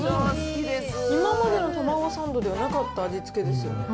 今までのたまごサンドではなかった味付けですよ。